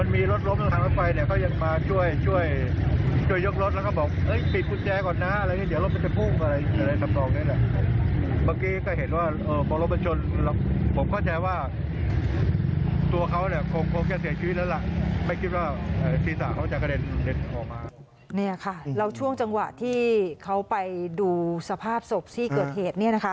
นี่ค่ะแล้วช่วงจังหวะที่เขาไปดูสภาพศพที่เกิดเหตุ